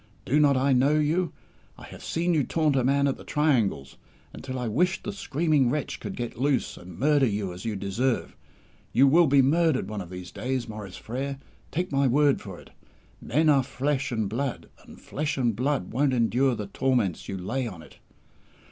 Do not I know you? I have seen you taunt a man at the triangles, until I wished the screaming wretch could get loose, and murder you as you deserve! You will be murdered one of these days, Maurice Frere take my word for it. Men are flesh and blood, and flesh and blood won't endure the torments you lay on it!"